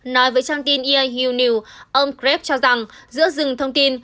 nói với trang tin eiu news ông kreb cho rằng giữa rừng thông tin